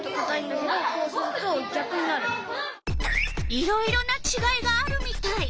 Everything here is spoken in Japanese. いろいろなちがいがあるみたい。